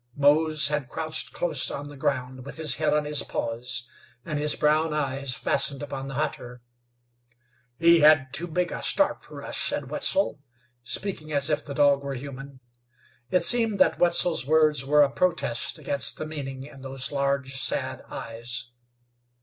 Mose had crouched close on the ground with his head on his paws, and his brown eyes fastened upon the hunter. "He had too big a start fer us," said Wetzel, speaking as if the dog were human. It seemed that Wetzel's words were a protest against the meaning in those large, sad eyes.